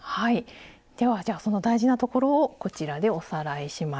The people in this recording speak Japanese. ではじゃあその大事なところをこちらでおさらいしましょう。